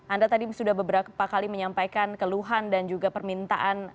anda tadi sudah beberapa kali menyampaikan keluhan dan juga permintaan